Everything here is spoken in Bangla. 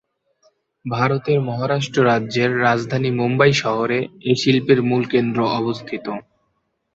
ভারতের মহারাষ্ট্র রাজ্যের রাজধানী মুম্বাই শহরে এই শিল্পের মূল কেন্দ্র অবস্থিত।